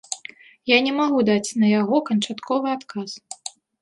Я не магу даць на яго канчатковы адказ.